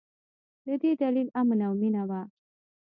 د دې دلیل امن او مینه وه.